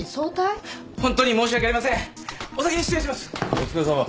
お疲れさま。